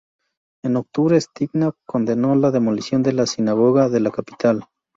En octubre Stepinac condenó la demolición de la sinagoga de la capital.